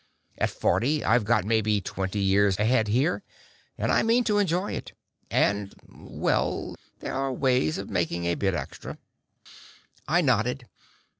At forty, I've got maybe twenty years ahead here, and I mean to enjoy it. And well, there are ways of making a bit extra...." I nodded.